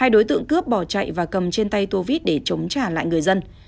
hai đối tượng cướp bỏ chạy và cầm trên tay tua vít để chống trả lại người dân